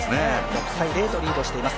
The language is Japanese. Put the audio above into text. ６−０とリードしています。